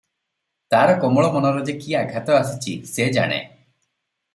ତାର କୋମଳ ମନରେ ଯେ କି ଆଘାତ ଆସିଚି ସେ ଜାଣେ ।